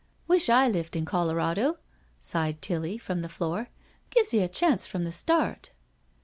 " Wish I lived in Colorado," sighed Tilly, from the floor. " Gives you a chance from the start."